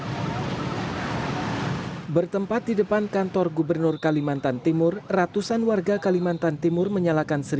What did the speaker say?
hai bertempat di depan kantor gubernur kalimantan timur ratusan warga kalimantan timur menyalakan